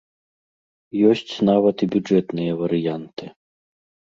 Ёсць нават і бюджэтныя варыянты.